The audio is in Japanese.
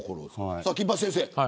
金八先生。